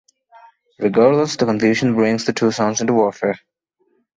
Regardless, the confusion brings the two sons into warfare.